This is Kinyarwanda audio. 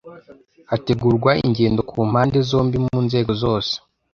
hategurwa ingendo ku mpande zombi mu nzego zose,